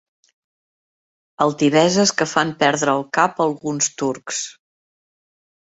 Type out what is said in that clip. Altiveses que fan perdre el cap a alguns turcs.